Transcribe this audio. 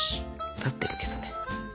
立ってるけどね。